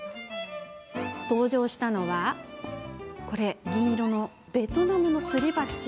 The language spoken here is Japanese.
登場したのは銀色のベトナムのすり鉢。